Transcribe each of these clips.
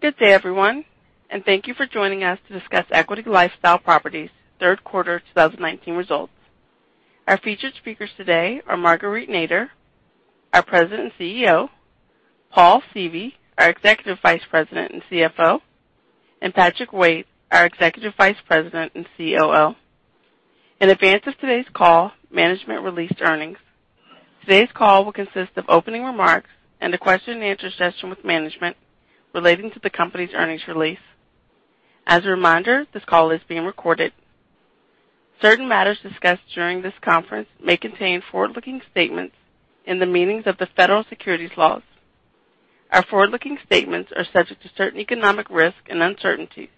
Good day, everyone. Thank you for joining us to discuss Equity LifeStyle Properties' third quarter 2019 results. Our featured speakers today are Marguerite Nader, our President and CEO, Paul Seavey, our Executive Vice President and CFO, and Patrick Waite, our Executive Vice President and COO. In advance of today's call, management released earnings. Today's call will consist of opening remarks and a question and answer session with management relating to the company's earnings release. As a reminder, this call is being recorded. Certain matters discussed during this conference may contain forward-looking statements in the meanings of the federal securities laws. Our forward-looking statements are subject to certain economic risk and uncertainty.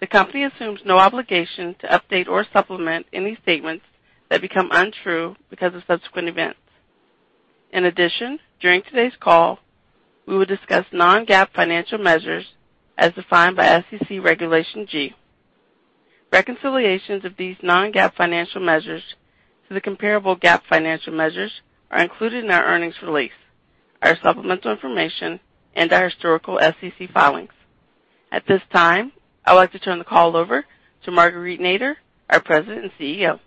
The company assumes no obligation to update or supplement any statements that become untrue because of subsequent events. During today's call, we will discuss non-GAAP financial measures as defined by SEC Regulation G. Reconciliations of these non-GAAP financial measures to the comparable GAAP financial measures are included in our earnings release, our supplemental information, and our historical SEC filings. At this time, I would like to turn the call over to Marguerite Nader, our President and CEO.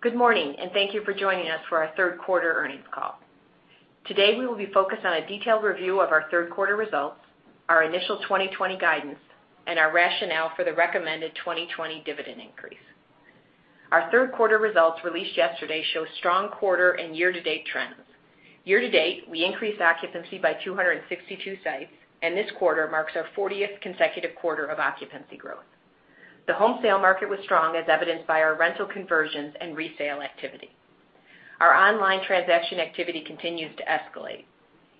Good morning, and thank you for joining us for our third quarter earnings call. Today, we will be focused on a detailed review of our third quarter results, our initial 2020 guidance, and our rationale for the recommended 2020 dividend increase. Our third quarter results released yesterday show strong quarter and year-to-date trends. Year-to-date, we increased occupancy by 262 sites, and this quarter marks our 40th consecutive quarter of occupancy growth. The home sale market was strong, as evidenced by our rental conversions and resale activity. Our online transaction activity continues to escalate.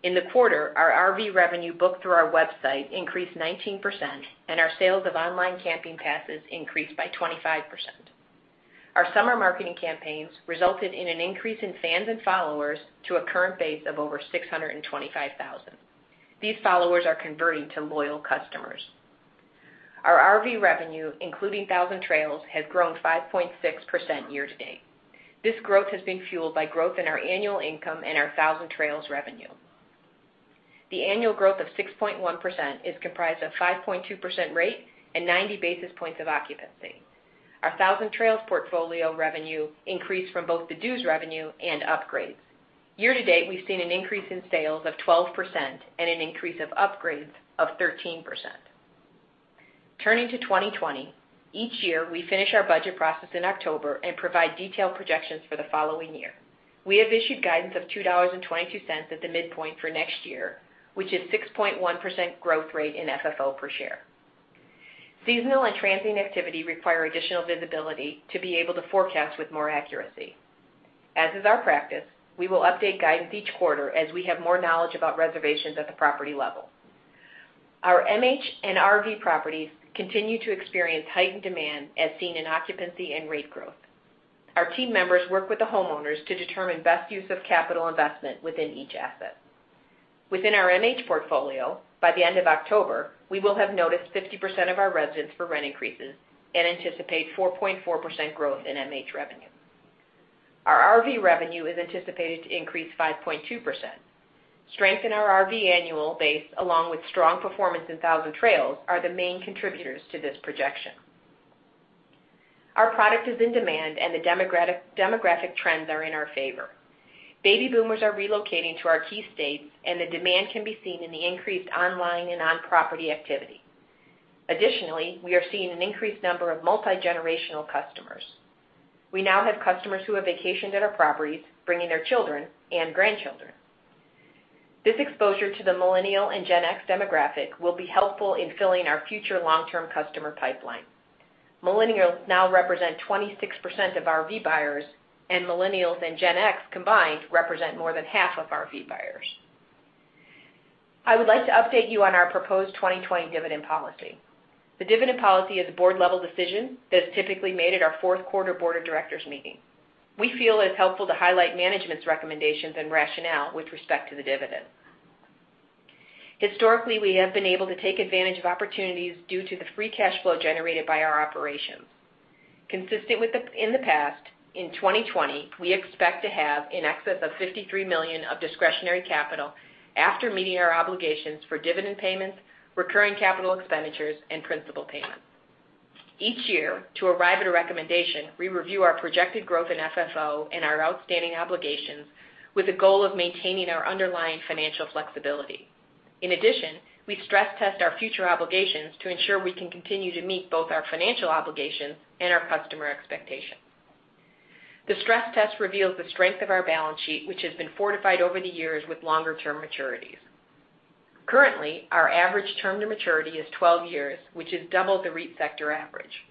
In the quarter, our RV revenue booked through our website increased 19%, and our sales of online camping passes increased by 25%. Our summer marketing campaigns resulted in an increase in fans and followers to a current base of over 625,000. These followers are converting to loyal customers. Our RV revenue, including Thousand Trails, has grown 5.6% year to date. This growth has been fueled by growth in our annual income and our Thousand Trails revenue. The annual growth of 6.1% is comprised of 5.2% rate and 90 basis points of occupancy. Our Thousand Trails portfolio revenue increased from both the dues revenue and upgrades. Year to date, we've seen an increase in sales of 12% and an increase of upgrades of 13%. Turning to 2020, each year, we finish our budget process in October and provide detailed projections for the following year. We have issued guidance of $2.22 at the midpoint for next year, which is 6.1% growth rate in FFO per share. Seasonal and transient activity require additional visibility to be able to forecast with more accuracy. As is our practice, we will update guidance each quarter as we have more knowledge about reservations at the property level. Our MH and RV properties continue to experience heightened demand, as seen in occupancy and rate growth. Our team members work with the homeowners to determine best use of capital investment within each asset. Within our MH portfolio, by the end of October, we will have noticed 50% of our residents for rent increases and anticipate 4.4% growth in MH revenue. Our RV revenue is anticipated to increase 5.2%. Strength in our RV annual base, along with strong performance in Thousand Trails, are the main contributors to this projection. Our product is in demand and the demographic trends are in our favor. Baby boomers are relocating to our key states, and the demand can be seen in the increased online and on-property activity. Additionally, we are seeing an increased number of multigenerational customers. We now have customers who have vacationed at our properties, bringing their children and grandchildren. This exposure to the Millennial and Gen X demographic will be helpful in filling our future long-term customer pipeline. Millennials now represent 26% of RV buyers, and Millennials and Gen X combined represent more than half of RV buyers. I would like to update you on our proposed 2020 dividend policy. The dividend policy is a board-level decision that is typically made at our fourth quarter board of directors meeting. We feel it's helpful to highlight management's recommendations and rationale with respect to the dividend. Historically, we have been able to take advantage of opportunities due to the free cash flow generated by our operations. Consistent in the past, in 2020, we expect to have in excess of $53 million of discretionary capital after meeting our obligations for dividend payments, recurring capital expenditures, and principal payments. Each year, to arrive at a recommendation, we review our projected growth in FFO and our outstanding obligations with the goal of maintaining our underlying financial flexibility. In addition, we stress test our future obligations to ensure we can continue to meet both our financial obligations and our customer expectations. The stress test reveals the strength of our balance sheet, which has been fortified over the years with longer-term maturities. Currently, our average term to maturity is 12 years, which is double the REIT sector average.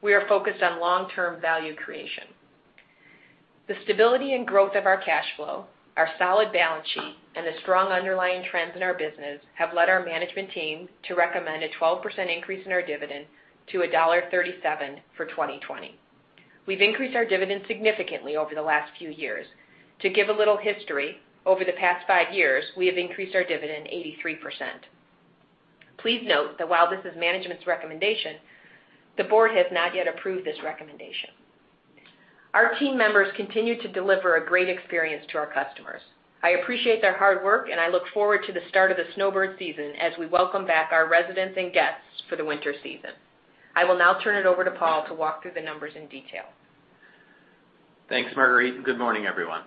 We are focused on long-term value creation. The stability and growth of our cash flow, our solid balance sheet, and the strong underlying trends in our business have led our management team to recommend a 12% increase in our dividend to $1.37 for 2020. We've increased our dividend significantly over the last few years. To give a little history, over the past five years, we have increased our dividend 83%. Please note that while this is management's recommendation, the board has not yet approved this recommendation. Our team members continue to deliver a great experience to our customers. I appreciate their hard work, and I look forward to the start of the snowbird season as we welcome back our residents and guests for the winter season. I will now turn it over to Paul to walk through the numbers in detail. Thanks, Marguerite, and good morning, everyone.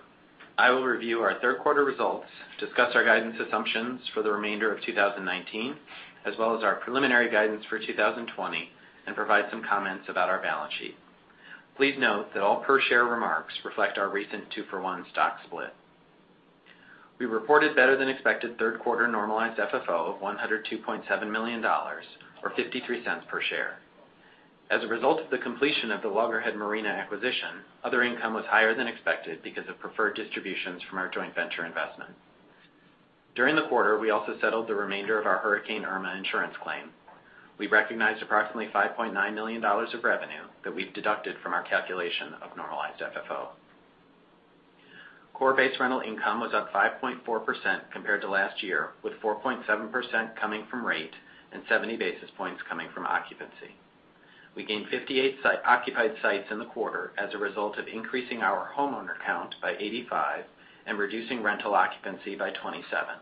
I will review our third quarter results, discuss our guidance assumptions for the remainder of 2019, as well as our preliminary guidance for 2020, and provide some comments about our balance sheet. Please note that all per share remarks reflect our recent two-for-one stock split. We reported better than expected third quarter normalized FFO of $102.7 million or $0.53 per share. As a result of the completion of the Loggerhead Marina acquisition, other income was higher than expected because of preferred distributions from our joint venture investment. During the quarter, we also settled the remainder of our Hurricane Irma insurance claim. We recognized approximately $5.9 million of revenue that we've deducted from our calculation of normalized FFO. Core base rental income was up 5.4% compared to last year, with 4.7% coming from rate and 70 basis points coming from occupancy. We gained 58 occupied sites in the quarter as a result of increasing our homeowner count by 85 and reducing rental occupancy by 27.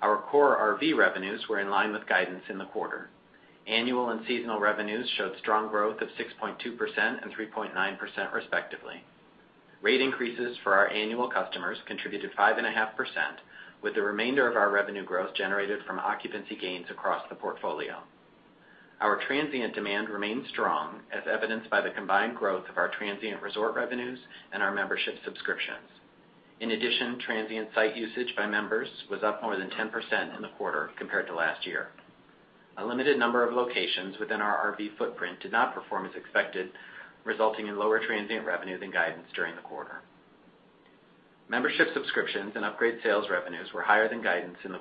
Our core RV revenues were in line with guidance in the quarter. Annual and seasonal revenues showed strong growth of 6.2% and 3.9% respectively. Rate increases for our annual customers contributed 5.5% with the remainder of our revenue growth generated from occupancy gains across the portfolio. Our transient demand remained strong, as evidenced by the combined growth of our transient resort revenues and our membership subscriptions. In addition, transient site usage by members was up more than 10% in the quarter compared to last year. A limited number of locations within our RV footprint did not perform as expected, resulting in lower transient revenues and guidance during the quarter. Membership subscriptions and upgrade sales revenues were higher than guidance in the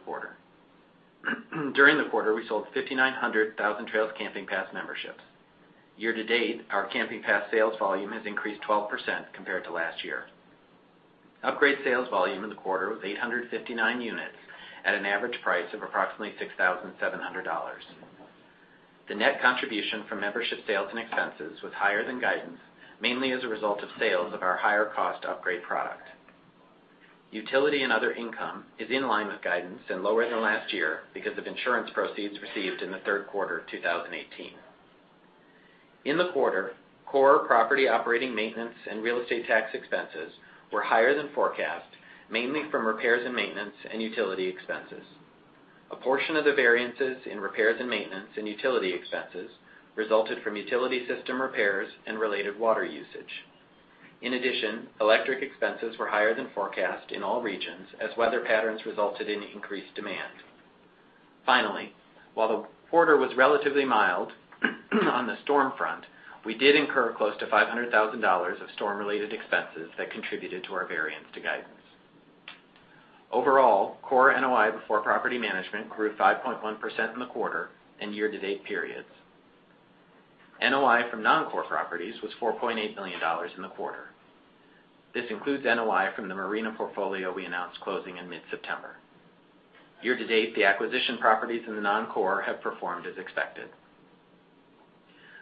quarter. During the quarter, we sold 5,900 Thousand Trails camping pass memberships. Year to date, our camping pass sales volume has increased 12% compared to last year. Upgrade sales volume in the quarter was 859 units at an average price of approximately $6,700. The net contribution from membership sales and expenses was higher than guidance, mainly as a result of sales of our higher cost upgrade product. Utility and other income is in line with guidance and lower than last year because of insurance proceeds received in the third quarter 2018. In the quarter, core property operating maintenance and real estate tax expenses were higher than forecast, mainly from repairs and maintenance and utility expenses. A portion of the variances in repairs and maintenance and utility expenses resulted from utility system repairs and related water usage. In addition, electric expenses were higher than forecast in all regions as weather patterns resulted in increased demand. Finally, while the quarter was relatively mild on the storm front, we did incur close to $500,000 of storm-related expenses that contributed to our variance to guidance. Overall, core NOI before property management grew 5.1% in the quarter and year-to-date periods. NOI from non-core properties was $4.8 million in the quarter. This includes NOI from the Marina portfolio we announced closing in mid-September. Year-to-date, the acquisition properties in the non-core have performed as expected.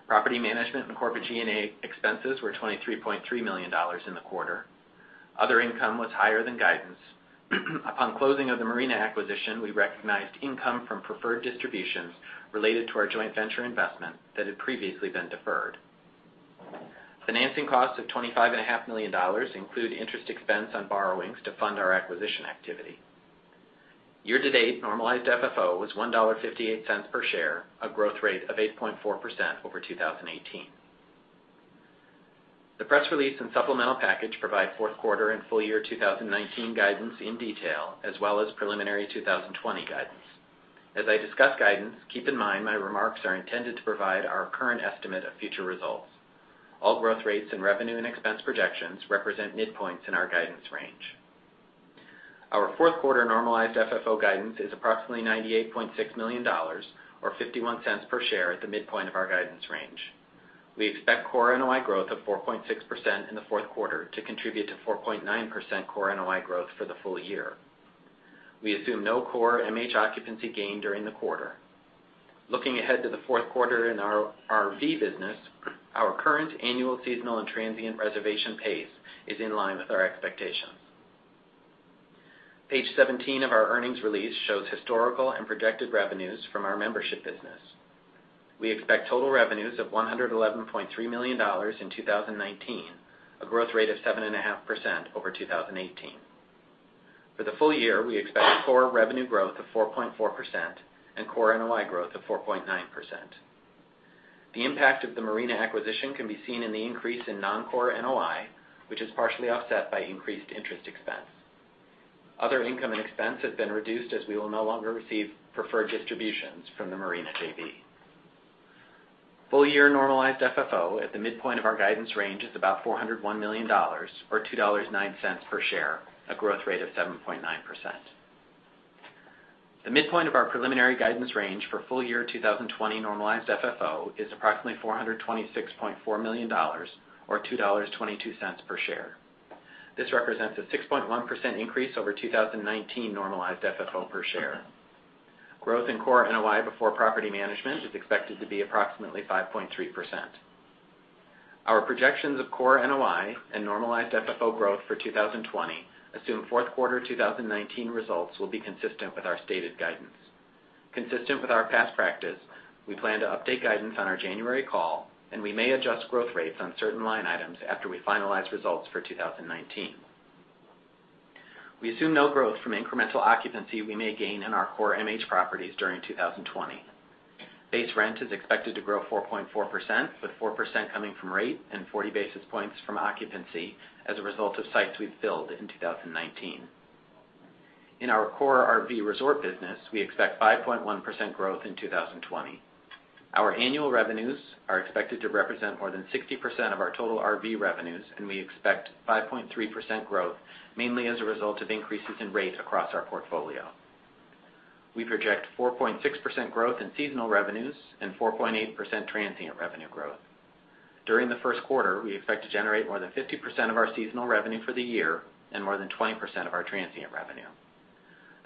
Property management and corporate G&A expenses were $23.3 million in the quarter. Other income was higher than guidance. Upon closing of the Marina acquisition, we recognized income from preferred distributions related to our joint venture investment that had previously been deferred. Financing costs of $25.5 million include interest expense on borrowings to fund our acquisition activity. Year to date, normalized FFO was $1.58 per share, a growth rate of 8.4% over 2018. The press release and supplemental package provide fourth quarter and full year 2019 guidance in detail, as well as preliminary 2020 guidance. As I discuss guidance, keep in mind my remarks are intended to provide our current estimate of future results. All growth rates and revenue and expense projections represent midpoints in our guidance range. Our fourth quarter normalized FFO guidance is approximately $98.6 million or $0.51 per share at the midpoint of our guidance range. We expect core NOI growth of 4.6% in the fourth quarter to contribute to 4.9% core NOI growth for the full year. We assume no core MH occupancy gain during the quarter. Looking ahead to the fourth quarter in our RV business, our current annual, seasonal, and transient reservation pace is in line with our expectations. Page 17 of our earnings release shows historical and projected revenues from our membership business. We expect total revenues of $111.3 million in 2019, a growth rate of 7.5% over 2018. For the full year, we expect core revenue growth of 4.4% and core NOI growth of 4.9%. The impact of the Marina acquisition can be seen in the increase in non-core NOI, which is partially offset by increased interest expense. Other income and expense have been reduced as we will no longer receive preferred distributions from the Marina JV. Full year normalized FFO at the midpoint of our guidance range is about $401 million or $2.09 per share, a growth rate of 7.9%. The midpoint of our preliminary guidance range for full year 2020 normalized FFO is approximately $426.4 million or $2.22 per share. This represents a 6.1% increase over 2019 normalized FFO per share. Growth in core NOI before property management is expected to be approximately 5.3%. Our projections of core NOI and normalized FFO growth for 2020 assume fourth quarter 2019 results will be consistent with our stated guidance. Consistent with our past practice, we plan to update guidance on our January call, and we may adjust growth rates on certain line items after we finalize results for 2019. We assume no growth from incremental occupancy we may gain in our core MH properties during 2020. Base rent is expected to grow 4.4%, with 4% coming from rate and 40 basis points from occupancy as a result of sites we've filled in 2019. In our core RV resort business, we expect 5.1% growth in 2020. Our annual revenues are expected to represent more than 60% of our total RV revenues. We expect 5.3% growth, mainly as a result of increases in rate across our portfolio. We project 4.6% growth in seasonal revenues and 4.8% transient revenue growth. During the first quarter, we expect to generate more than 50% of our seasonal revenue for the year and more than 20% of our transient revenue.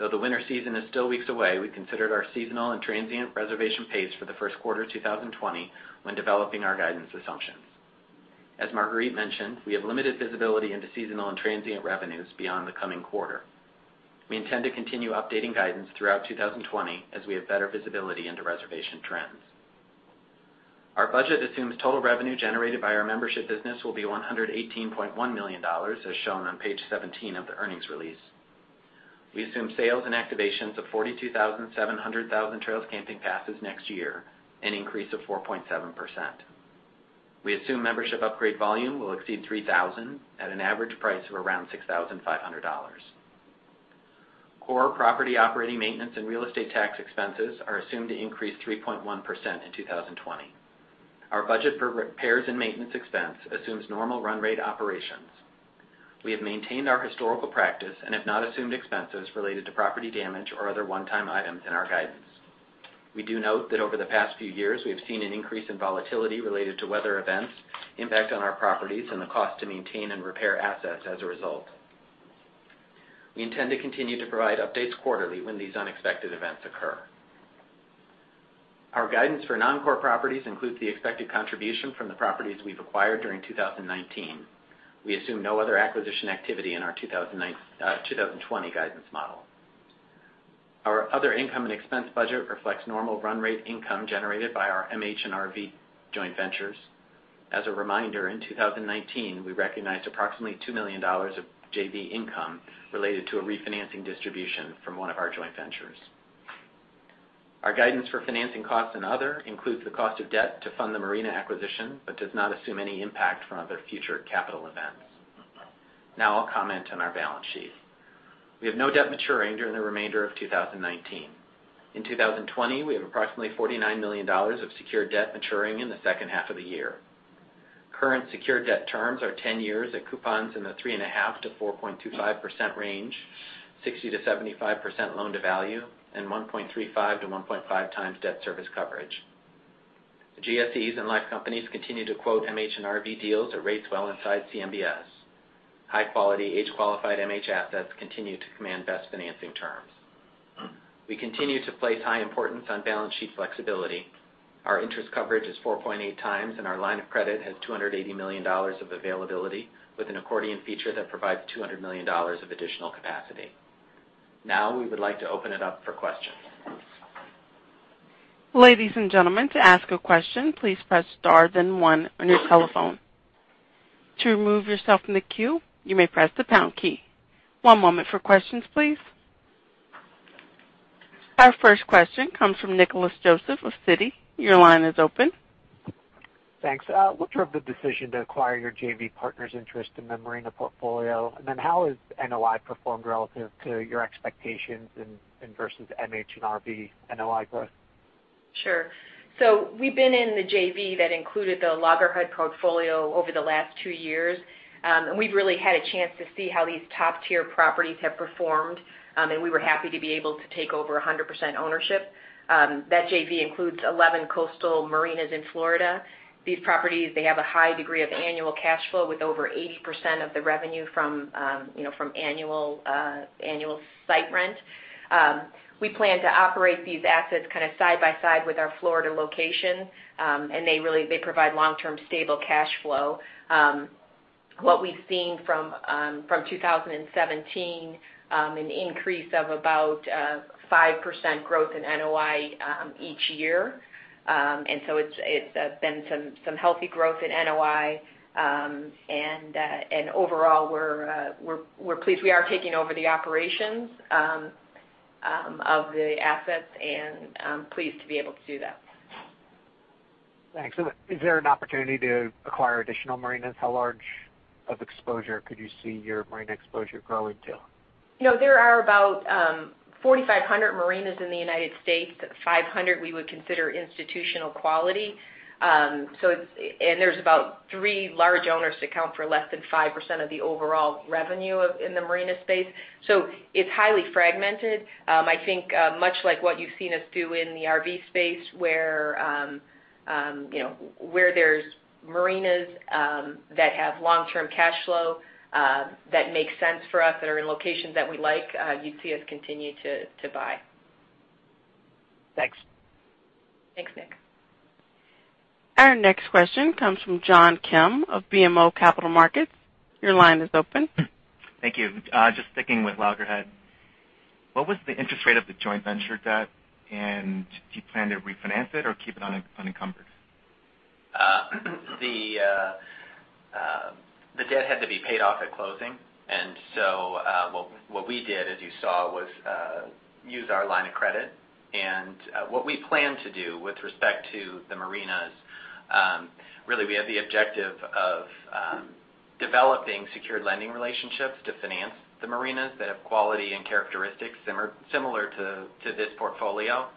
Though the winter season is still weeks away, we considered our seasonal and transient reservation pace for the first quarter 2020 when developing our guidance assumptions. As Marguerite mentioned, we have limited visibility into seasonal and transient revenues beyond the coming quarter. We intend to continue updating guidance throughout 2020 as we have better visibility into reservation trends. Our budget assumes total revenue generated by our membership business will be $118.1 million, as shown on page 17 of the earnings release. We assume sales and activations of 42,700 Thousand Trails camping passes next year, an increase of 4.7%. We assume membership upgrade volume will exceed 3,000 at an average price of around $6,500. Core property operating maintenance and real estate tax expenses are assumed to increase 3.1% in 2020. Our budget for repairs and maintenance expense assumes normal run rate operations. We have maintained our historical practice and have not assumed expenses related to property damage or other one-time items in our guidance. We do note that over the past few years, we have seen an increase in volatility related to weather events' impact on our properties and the cost to maintain and repair assets as a result. We intend to continue to provide updates quarterly when these unexpected events occur. Our guidance for non-core properties includes the expected contribution from the properties we've acquired during 2019. We assume no other acquisition activity in our 2020 guidance model. Our other income and expense budget reflects normal run rate income generated by our MH and RV joint ventures. As a reminder, in 2019, we recognized approximately $2 million of JV income related to a refinancing distribution from one of our joint ventures. Our guidance for financing costs and other includes the cost of debt to fund the marina acquisition, but does not assume any impact from other future capital events. Now I'll comment on our balance sheet. We have no debt maturing during the remainder of 2019. In 2020, we have approximately $49 million of secured debt maturing in the second half of the year. Current secured debt terms are 10 years at coupons in the 3.5%-4.25% range, 60%-75% loan-to-value, and 1.35 to 1.5 times debt service coverage. The GSEs and life companies continue to quote MH and RV deals at rates well inside CMBS. High-quality, age-qualified MH assets continue to command best financing terms. We continue to place high importance on balance sheet flexibility. Our interest coverage is 4.8 times, and our line of credit has $280 million of availability with an accordion feature that provides $200 million of additional capacity. We would like to open it up for questions. Ladies and gentlemen, to ask a question, please press star then one on your telephone. To remove yourself from the queue, you may press the pound key. One moment for questions, please. Our first question comes from Nicholas Joseph of Citi. Your line is open. Thanks. What drove the decision to acquire your JV partner's interest in the marina portfolio? How has NOI performed relative to your expectations and versus MH and RV NOI growth? Sure. We've been in the JV that included the Loggerhead portfolio over the last 2 years, and we've really had a chance to see how these top-tier properties have performed, and we were happy to be able to take over 100% ownership. That JV includes 11 coastal marinas in Florida. These properties have a high degree of annual cash flow, with over 80% of the revenue from annual site rent. We plan to operate these assets side by side with our Florida locations, and they provide long-term stable cash flow. What we've seen from 2017, an increase of about 5% growth in NOI each year. It's been some healthy growth in NOI, and overall, we're pleased we are taking over the operations of the assets and pleased to be able to do that. Thanks. Is there an opportunity to acquire additional marinas? How large of exposure could you see your marina exposure growing to? There are about 4,500 marinas in the U.S. 500 we would consider institutional quality. There's about three large owners that count for less than 5% of the overall revenue in the marina space. It's highly fragmented. I think much like what you've seen us do in the RV space where there's marinas that have long-term cash flow that makes sense for us, that are in locations that we like, you'd see us continue to buy. Thanks. Thanks, Nick. Our next question comes from John Kim of BMO Capital Markets. Your line is open. Thank you. Just sticking with Loggerhead, what was the interest rate of the joint venture debt, and do you plan to refinance it or keep it unencumbered? The debt had to be paid off at closing, and so what we did, as you saw, was use our line of credit. What we plan to do with respect to the marinas, really, we have the objective of developing secured lending relationships to finance the marinas that have quality and characteristics similar to this portfolio.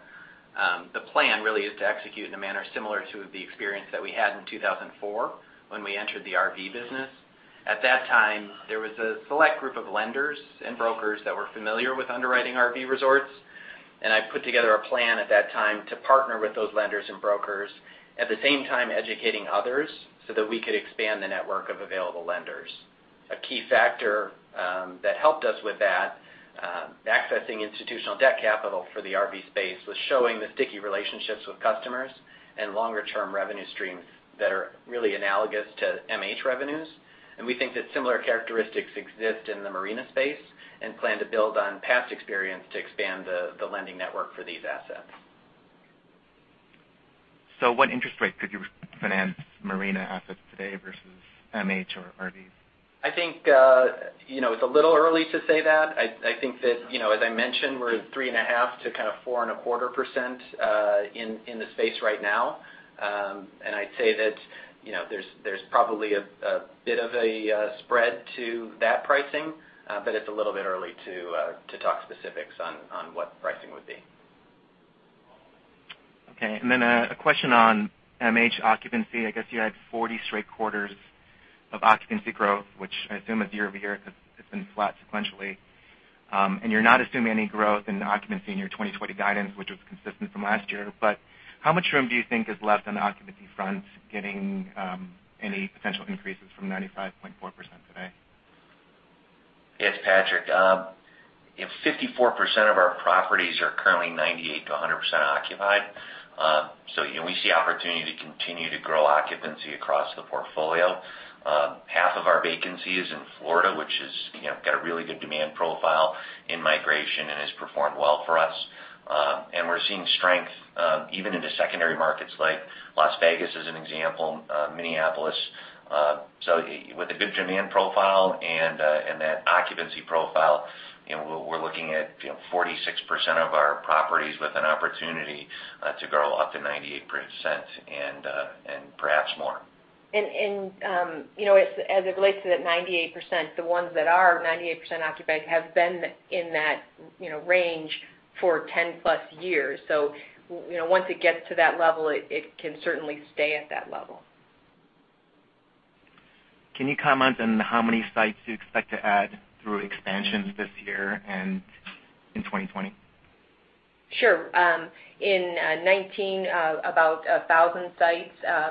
The plan really is to execute in a manner similar to the experience that we had in 2004 when we entered the RV business. At that time, there was a select group of lenders and brokers that were familiar with underwriting RV resorts, and I put together a plan at that time to partner with those lenders and brokers, at the same time educating others so that we could expand the network of available lenders. A key factor that helped us with that, accessing institutional debt capital for the RV space, was showing the sticky relationships with customers and longer-term revenue streams that are really analogous to MH revenues. We think that similar characteristics exist in the marina space and plan to build on past experience to expand the lending network for these assets. What interest rate could you finance marina assets today versus MH or RVs? I think it's a little early to say that. I think that, as I mentioned, we're at 3.5% to 4.25% in the space right now. I'd say that there's probably a bit of a spread to that pricing, but it's a little bit early to talk specifics on what pricing would be. Okay. Then a question on MH occupancy. I guess you had 40 straight quarters of occupancy growth, which I assume is year-over-year because it's been flat sequentially. You're not assuming any growth in occupancy in your 2020 guidance, which was consistent from last year. How much room do you think is left on the occupancy front, getting any potential increases from 95.4% today? It's Patrick. 54% of our properties are currently 98% to 100% occupied. We see opportunity to continue to grow occupancy across the portfolio. Half of our vacancy is in Florida, which has got a really good demand profile in migration and has performed well for us. We're seeing strength even in the secondary markets like Las Vegas as an example, Minneapolis. With a good demand profile and that occupancy profile, we're looking at 46% of our properties with an opportunity to grow up to 98% and perhaps more. As it relates to that 98%, the ones that are 98% occupied have been in that range for 10-plus years. Once it gets to that level, it can certainly stay at that level. Can you comment on how many sites you expect to add through expansions this year and in 2020? Sure. In 2019, about 1,000 sites,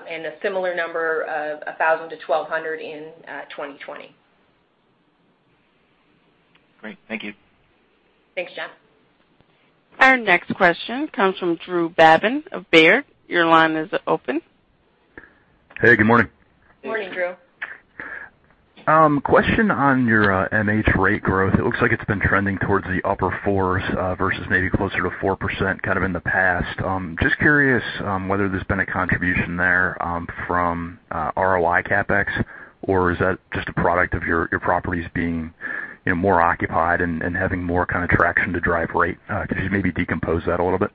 and a similar number of 1,000 to 1,200 in 2020. Great. Thank you. Thanks, John. Our next question comes from Drew Babin of Baird. Your line is open. Hey, good morning. Good morning, Drew. Question on your MH rate growth. It looks like it's been trending towards the upper 4s versus maybe closer to 4% in the past. Just curious whether there's been a contribution there from ROI CapEx, or is that just a product of your properties being more occupied and having more traction to drive rate? Could you maybe decompose that a little bit?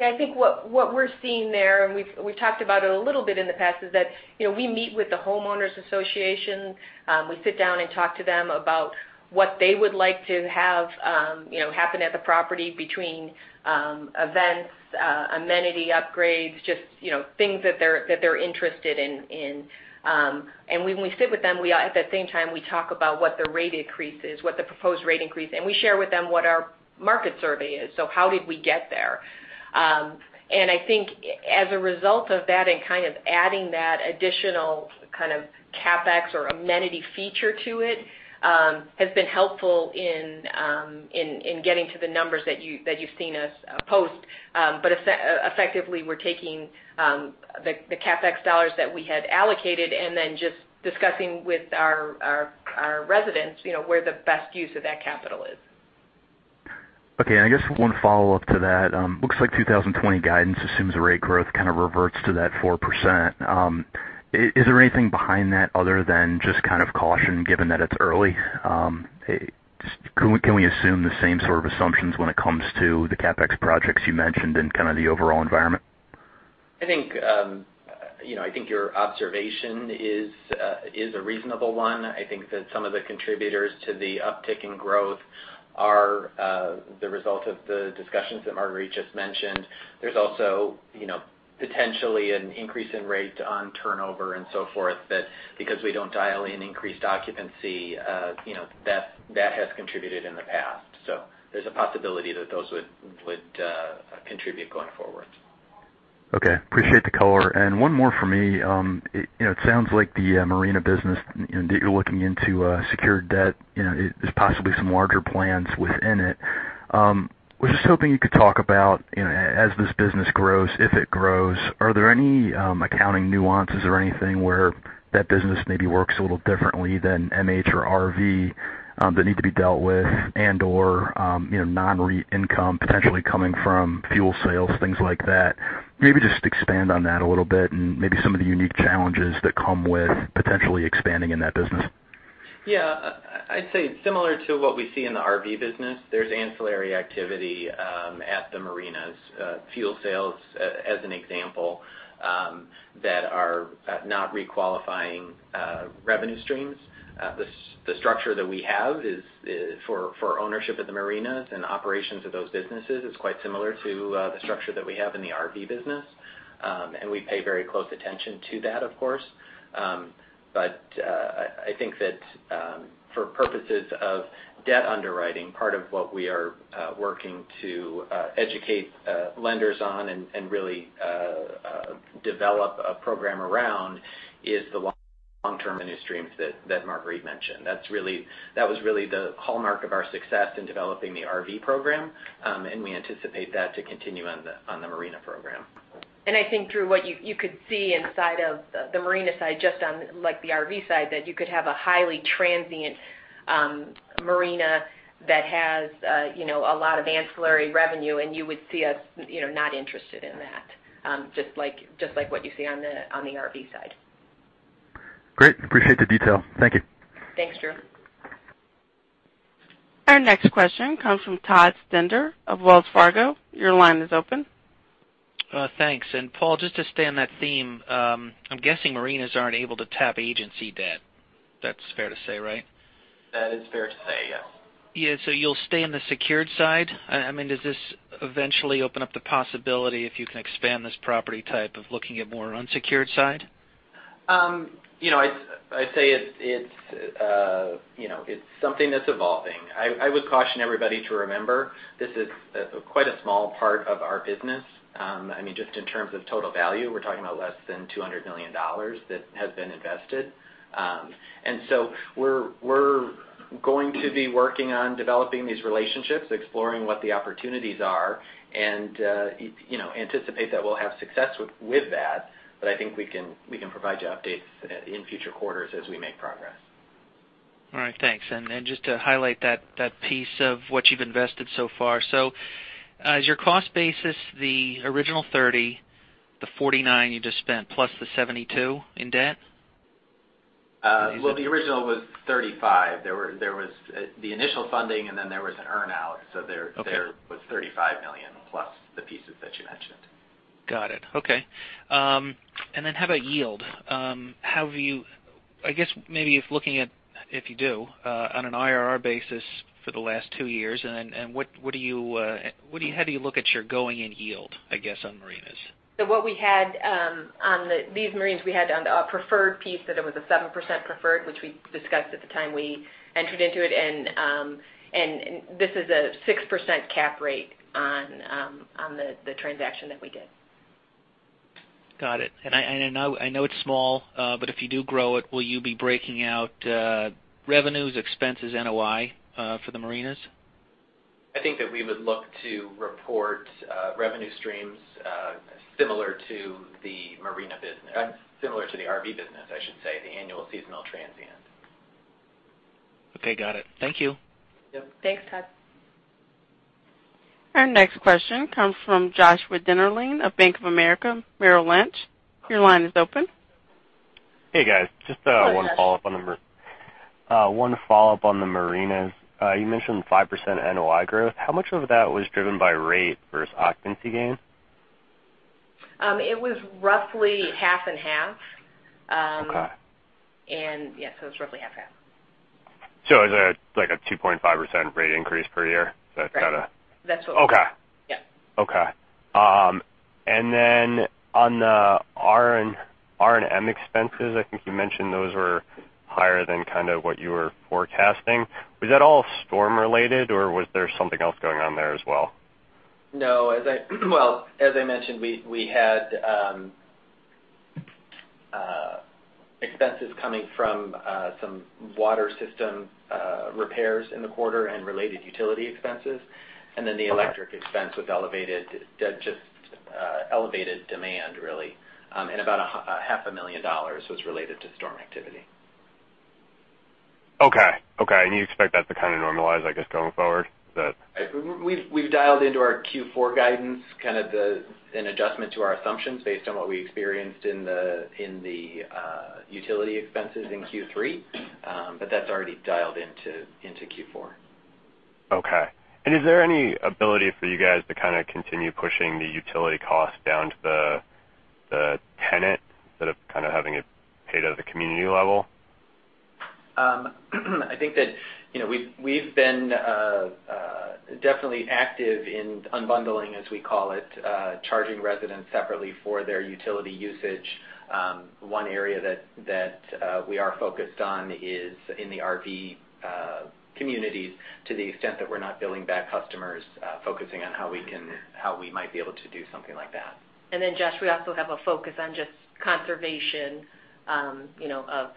Yeah, I think what we're seeing there, and we've talked about it a little bit in the past, is that we meet with the homeowners association. We sit down and talk to them about what they would like to have happen at the property between events, amenity upgrades, just things that they're interested in. When we sit with them, at that same time, we talk about what the rate increase is, what the proposed rate increase, and we share with them what our market survey is. How did we get there? I think as a result of that and kind of adding that additional kind of CapEx or amenity feature to it, has been helpful in getting to the numbers that you've seen us post. Effectively, we're taking the CapEx dollars that we had allocated and then just discussing with our residents where the best use of that capital is. Okay. I guess one follow-up to that. Looks like 2020 guidance assumes rate growth kind of reverts to that 4%. Is there anything behind that other than just caution given that it's early? Can we assume the same sort of assumptions when it comes to the CapEx projects you mentioned and kind of the overall environment? I think your observation is a reasonable one. I think that some of the contributors to the uptick in growth are the result of the discussions that Marguerite just mentioned. There's also potentially an increase in rate on turnover and so forth that because we don't dial in increased occupancy, that has contributed in the past. There's a possibility that those would contribute going forward. Okay. Appreciate the color. One more from me. It sounds like the marina business that you're looking into secured debt, there's possibly some larger plans within it. I was just hoping you could talk about, as this business grows, if it grows, are there any accounting nuances or anything where that business maybe works a little differently than MH or RV that need to be dealt with and/or non-rental income potentially coming from fuel sales, things like that? Maybe just expand on that a little bit and maybe some of the unique challenges that come with potentially expanding in that business. Yeah. I'd say similar to what we see in the RV business, there's ancillary activity at the marinas. Fuel sales, as an example, that are not re-qualifying revenue streams. The structure that we have for ownership of the marinas and operations of those businesses is quite similar to the structure that we have in the RV business. We pay very close attention to that, of course. I think that for purposes of debt underwriting, part of what we are working to educate lenders on and really develop a program around is the long-term revenue streams that Marguerite mentioned. That was really the hallmark of our success in developing the RV program, and we anticipate that to continue on the marina program. I think through what you could see inside of the marina side, just on the RV side, that you could have a highly transient marina that has a lot of ancillary revenue, and you would see us not interested in that. Just like what you see on the RV side. Great. Appreciate the detail. Thank you. Thanks, Drew. Our next question comes from Todd Stender of Wells Fargo. Your line is open. Thanks. Paul, just to stay on that theme. I'm guessing marinas aren't able to tap agency debt. That's fair to say, right? That is fair to say, yes. Yeah. You'll stay on the secured side? Does this eventually open up the possibility, if you can expand this property type, of looking at more unsecured side? I'd say it's something that's evolving. I would caution everybody to remember, this is quite a small part of our business. Just in terms of total value, we're talking about less than $200 million that has been invested. We're going to be working on developing these relationships, exploring what the opportunities are, and anticipate that we'll have success with that. I think we can provide you updates in future quarters as we make progress. All right. Thanks. Just to highlight that piece of what you've invested so far. Is your cost basis the original $30, the $49 you just spent, plus the $72 in debt? Well, the original was $35. There was the initial funding, and then there was an earn-out. Okay. There was $35 million plus the pieces that you mentioned. Got it. Okay. How about yield? I guess maybe if looking at, if you do, on an IRR basis for the last two years, and how do you look at your going-in yield, I guess, on marinas? What we had on these marinas, we had a preferred piece that it was a 7% preferred, which we discussed at the time we entered into it, and this is a 6% cap rate on the transaction that we did. Got it. I know it's small, but if you do grow it, will you be breaking out revenues, expenses, NOI for the marinas? I think that we would look to report revenue streams similar to the marina business, similar to the RV business, I should say, the annual seasonal transient. Okay, got it. Thank you. Yep. Thanks, Todd. Our next question comes from Joshua Dennerlein of Bank of America Merrill Lynch. Your line is open. Hey, guys. Hello, Josh. Just one follow-up on the marinas. You mentioned 5% NOI growth. How much of that was driven by rate versus occupancy gain? It was roughly half and half. Okay. Yeah, it was roughly half and half. Is that like a 2.5% rate increase per year? Is that- Right. Okay. Yeah. Okay. On the R&M expenses, I think you mentioned those were higher than kind of what you were forecasting. Was that all storm-related, or was there something else going on there as well? Well, as I mentioned, we had expenses coming from some water system repairs in the quarter and related utility expenses. The electric expense was elevated, just elevated demand, really. About a half a million dollars was related to storm activity. Okay. You expect that to kind of normalize, I guess, going forward, is that? We've dialed into our Q4 guidance, kind of an adjustment to our assumptions based on what we experienced in the utility expenses in Q3, but that's already dialed into Q4. Okay. Is there any ability for you guys to kind of continue pushing the utility cost down to the tenant instead of kind of having it paid at the community level? I think that we've been definitely active in unbundling, as we call it, charging residents separately for their utility usage. One area that we are focused on is in the RV communities to the extent that we're not billing unbilled customers, focusing on how we might be able to do something like that. Josh, we also have a focus on just conservation of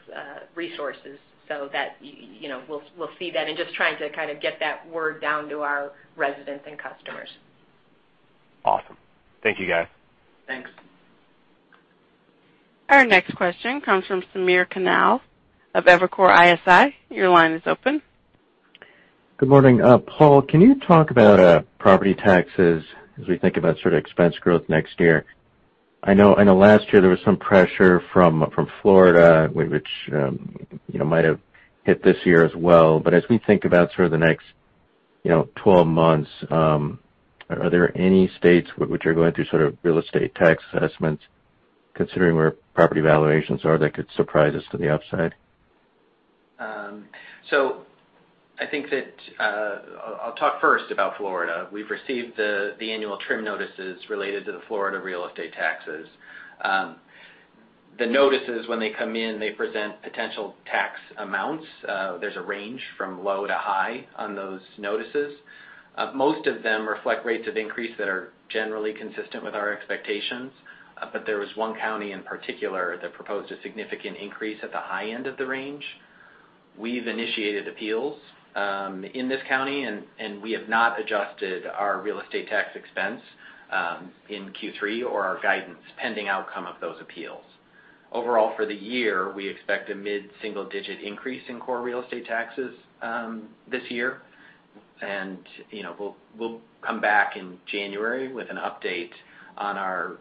resources, so that we'll see that in just trying to kind of get that word down to our residents and customers. Awesome. Thank you, guys. Thanks. Our next question comes from Samir Khanal of Evercore ISI. Your line is open. Good morning. Paul, can you talk about property taxes as we think about sort of expense growth next year? I know last year there was some pressure from Florida, which might have hit this year as well. As we think about sort of the next 12 months, are there any states which are going through sort of real estate tax assessments, considering where property valuations are, that could surprise us to the upside? I think that I'll talk first about Florida. We've received the annual TRIM notices related to the Florida real estate taxes. The notices, when they come in, they present potential tax amounts. There's a range from low to high on those notices. Most of them reflect rates of increase that are generally consistent with our expectations. There was one county in particular that proposed a significant increase at the high end of the range. We've initiated appeals in this county, and we have not adjusted our real estate tax expense in Q3 or our guidance, pending outcome of those appeals. Overall, for the year, we expect a mid-single-digit increase in core real estate taxes this year. We'll come back in January with an update on our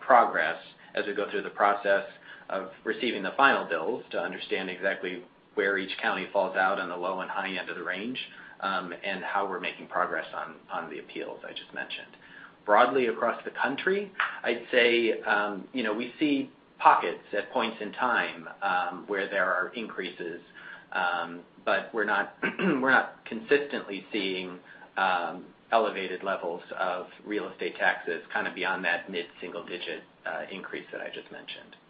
progress as we go through the process of receiving the final bills to understand exactly where each county falls out on the low and high end of the range, and how we're making progress on the appeals I just mentioned. Broadly across the country, I'd say we see pockets at points in time where there are increases. We're not consistently seeing elevated levels of real estate taxes kind of beyond that mid-single-digit increase that I just mentioned. Okay.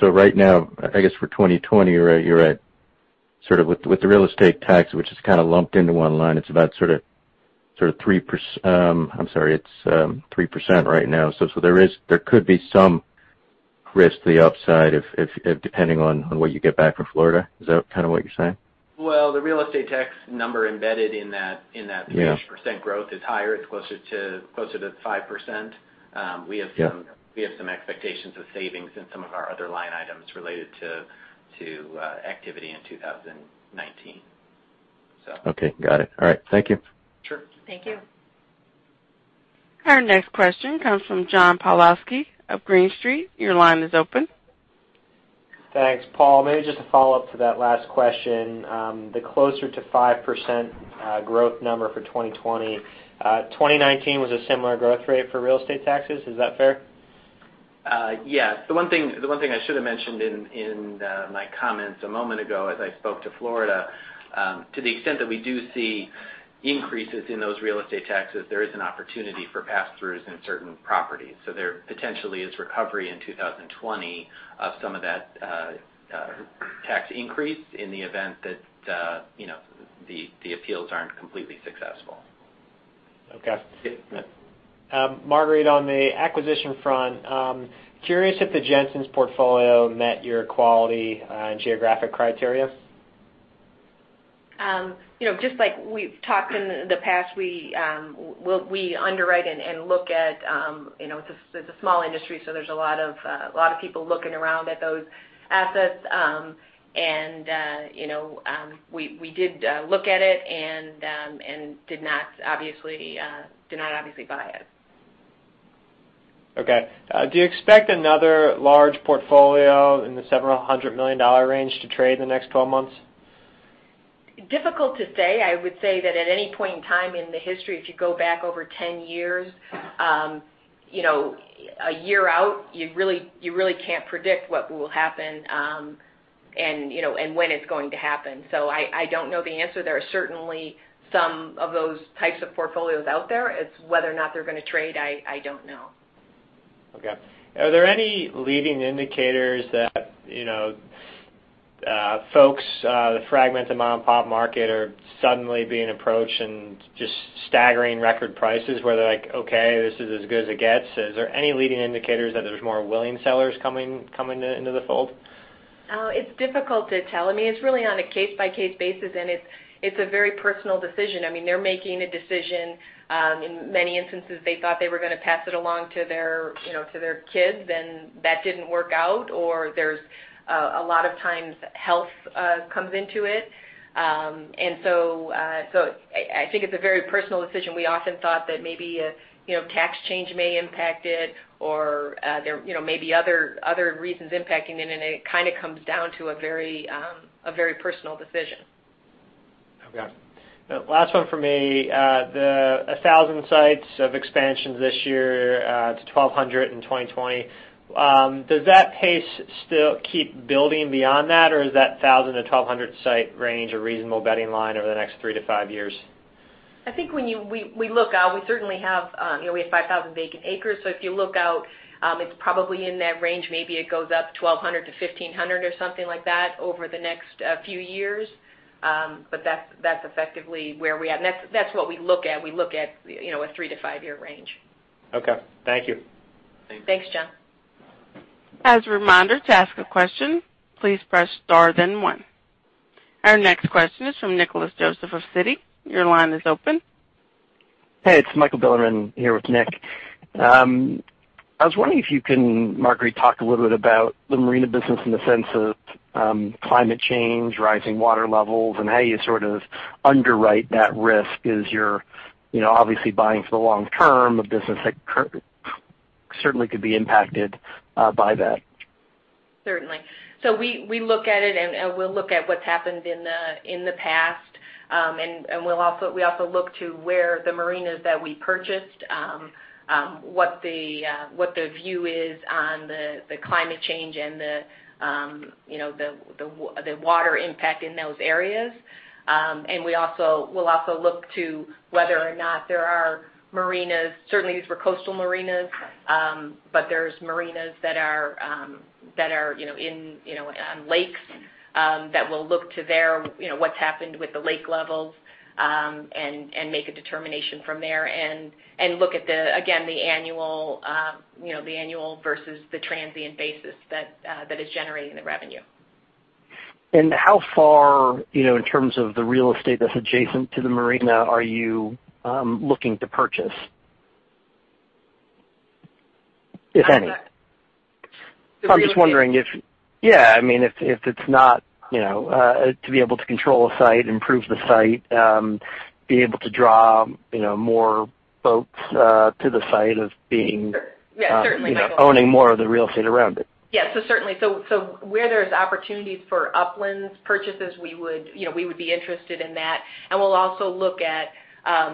Right now, I guess for 2020, you're at sort of with the real estate tax, which is kind of lumped into one line. It's about sort of 3% right now. There could be some risk to the upside depending on what you get back from Florida. Is that kind of what you're saying? Well, the real estate tax number embedded in that. Yeah 3% growth is higher. It's closer to 5%. Yeah. We have some expectations of savings in some of our other line items related to activity in 2019. Okay. Got it. All right. Thank you. Sure. Thank you. Our next question comes from John Pawlowski of Green Street. Your line is open. Thanks. Paul, maybe just a follow-up to that last question. The closer to 5% growth number for 2020. 2019 was a similar growth rate for real estate taxes. Is that fair? Yes. The one thing I should have mentioned in my comments a moment ago as I spoke to Florida, to the extent that we do see increases in those real estate taxes, there is an opportunity for pass-throughs in certain properties. There potentially is recovery in 2020 of some of that tax increase in the event that the appeals aren't completely successful. Okay. Marguerite, on the acquisition front, I'm curious if the Jensen's portfolio met your quality and geographic criteria. Just like we've talked in the past, we underwrite and look at, it's a small industry, so there's a lot of people looking around at those assets. We did look at it and did not obviously buy it. Okay. Do you expect another large portfolio in the $several hundred million range to trade in the next 12 months? Difficult to say. I would say that at any point in time in the history, if you go back over 10 years, a year out, you really can't predict what will happen and when it's going to happen. I don't know the answer. There are certainly some of those types of portfolios out there. It's whether or not they're going to trade, I don't know. Are there any leading indicators that folks, the fragmented mom-and-pop market, are suddenly being approached and just staggering record prices where they're like, "Okay, this is as good as it gets." Is there any leading indicators that there's more willing sellers coming into the fold? It's difficult to tell. It's really on a case-by-case basis, and it's a very personal decision. They're making a decision. In many instances, they thought they were going to pass it along to their kids, and that didn't work out, or there's a lot of times health comes into it. I think it's a very personal decision. We often thought that maybe a tax change may impact it or there may be other reasons impacting it, and it kind of comes down to a very personal decision. Okay. Last one from me. The 1,000 sites of expansions this year to 1,200 in 2020. Does that pace still keep building beyond that, or is that 1,000 to 1,200 site range a reasonable betting line over the next three to five years? I think when we look out, we certainly have 5,000 vacant acres. If you look out, it's probably in that range. Maybe it goes up 1,200 to 1,500 or something like that over the next few years. That's effectively where we are. That's what we look at. We look at a three- to five-year range. Okay. Thank you. Thank you. Thanks, John. As a reminder, to ask a question, please press star then one. Our next question is from Nicholas Joseph of Citi. Your line is open. Hey, it's Michael Bilerman here with Nick. I was wondering if you can, Marguerite, talk a little bit about the marina business in the sense of climate change, rising water levels, and how you underwrite that risk as you're obviously buying for the long term, a business that certainly could be impacted by that? Certainly. We look at it, and we'll look at what's happened in the past. We also look to where the marinas that we purchased, what the view is on the climate change and the water impact in those areas. We'll also look to whether or not there are marinas, certainly these were coastal marinas, but there's marinas that are in lakes that we'll look to their, what's happened with the lake levels, and make a determination from there and look at the, again, the annual versus the transient basis that is generating the revenue. How far, in terms of the real estate that's adjacent to the marina, are you looking to purchase? If any. The real estate- I'm just wondering if Yeah, if it's not to be able to control a site, improve the site, be able to draw more boats to the site. Yeah, certainly. Owning more of the real estate around it. Yeah. Certainly. Where there's opportunities for uplands purchases, we would be interested in that, and we'll also look at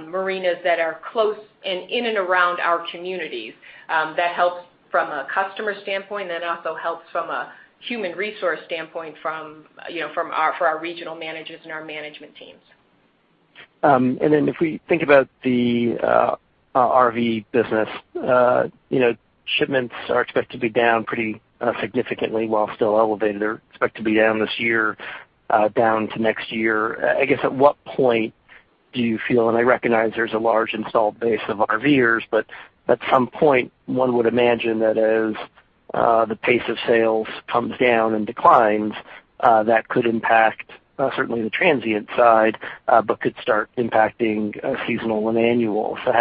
marinas that are close and in and around our communities. That helps from a customer standpoint, and that also helps from a human resource standpoint for our regional managers and our management teams. If we think about the RV business, shipments are expected to be down pretty significantly while still elevated. They're expected to be down this year, down to next year. I guess at what point do you feel, and I recognize there's a large installed base of RVers, but at some point, one would imagine that as the pace of sales comes down and declines, that could impact, certainly the transient side, but could start impacting seasonal and annual. How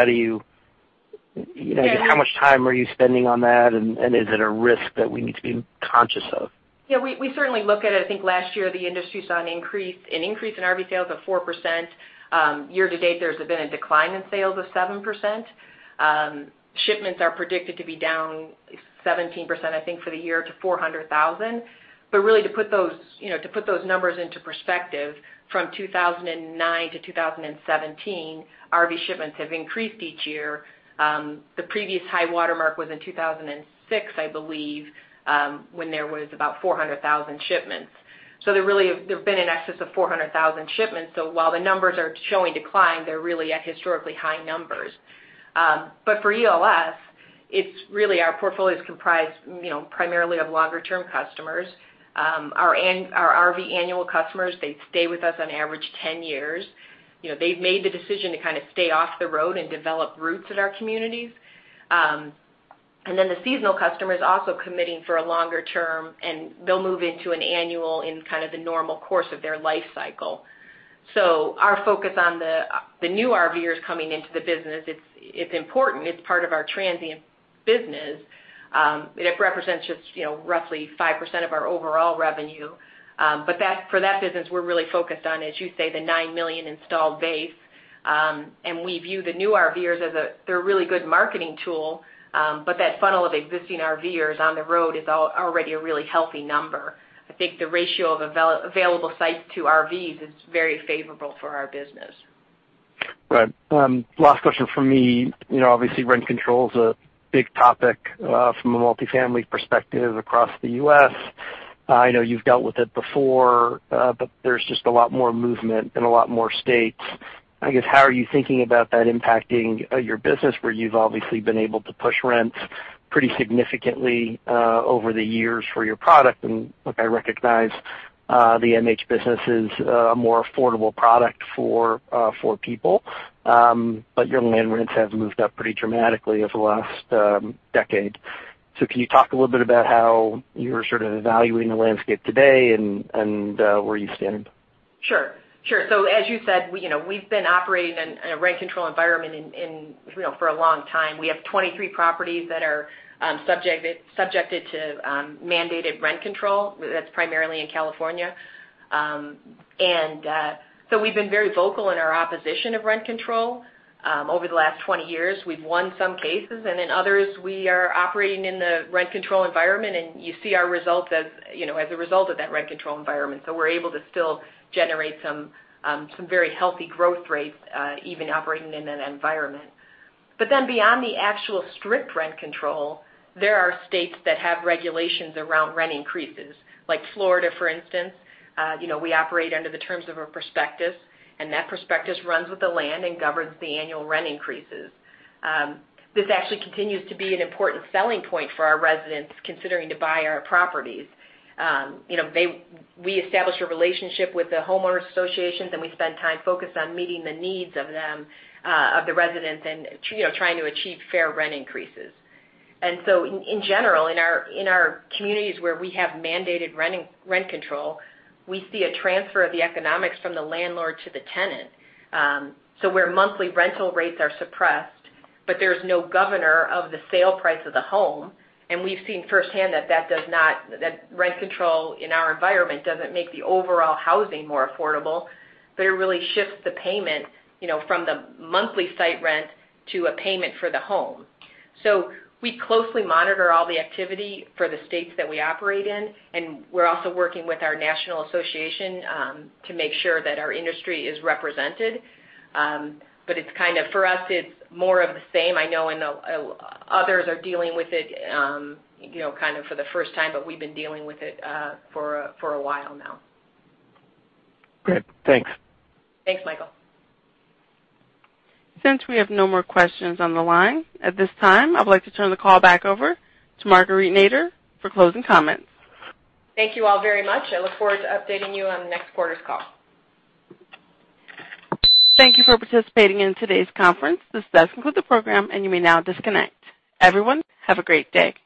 much time are you spending on that, and is it a risk that we need to be conscious of? Yeah, we certainly look at it. I think last year the industry saw an increase in RV sales of 4%. Year to date, there's been a decline in sales of 7%. Shipments are predicted to be down 17%, I think, for the year to 400,000. Really to put those numbers into perspective, from 2009 to 2017, RV shipments have increased each year. The previous high water mark was in 2006, I believe, when there was about 400,000 shipments. There have been in excess of 400,000 shipments. While the numbers are showing decline, they're really at historically high numbers. For ELS, it's really our portfolio's comprised primarily of longer-term customers. Our RV annual customers, they stay with us on average 10 years. They've made the decision to kind of stay off the road and develop roots at our communities. The seasonal customers also committing for a longer term, and they'll move into an annual in kind of the normal course of their life cycle. Our focus on the new RVers coming into the business, it's important. It's part of our transient business. It represents just roughly 5% of our overall revenue. For that business, we're really focused on, as you say, the 9 million installed base. We view the new RVers as a really good marketing tool. That funnel of existing RVers on the road is already a really healthy number. I think the ratio of available sites to RVs is very favorable for our business. Right. Last question from me. Obviously rent control is a big topic from a multifamily perspective across the U.S. I know you've dealt with it before, but there's just a lot more movement in a lot more states. I guess, how are you thinking about that impacting your business, where you've obviously been able to push rents pretty significantly over the years for your product? Look, I recognize the MH business is a more affordable product for people. Your land rents have moved up pretty dramatically over the last decade. Can you talk a little bit about how you're sort of evaluating the landscape today and where you stand? Sure. Sure. As you said, we've been operating in a rent control environment for a long time. We have 23 properties that are subjected to mandated rent control. That's primarily in California. We've been very vocal in our opposition of rent control over the last 20 years. We've won some cases, and in others, we are operating in the rent control environment, and you see our results as a result of that rent control environment. We're able to still generate some very healthy growth rates, even operating in that environment. Beyond the actual strict rent control, there are states that have regulations around rent increases. Like Florida, for instance, we operate under the terms of a prospectus, and that prospectus runs with the land and governs the annual rent increases. This actually continues to be an important selling point for our residents considering to buy our properties. We establish a relationship with the homeowners associations, and we spend time focused on meeting the needs of them, of the residents, and trying to achieve fair rent increases. In general, in our communities where we have mandated rent control, we see a transfer of the economics from the landlord to the tenant. Where monthly rental rates are suppressed, but there's no governor of the sale price of the home, and we've seen firsthand that rent control in our environment doesn't make the overall housing more affordable, it really shifts the payment from the monthly site rent to a payment for the home. We closely monitor all the activity for the states that we operate in, and we're also working with our national association to make sure that our industry is represented. For us, it's more of the same. I know others are dealing with it kind of for the first time, but we've been dealing with it for a while now. Great. Thanks. Thanks, Michael. Since we have no more questions on the line, at this time, I would like to turn the call back over to Marguerite Nader for closing comments. Thank you all very much. I look forward to updating you on the next quarter's call. Thank you for participating in today's conference. This does conclude the program, you may now disconnect. Everyone, have a great day.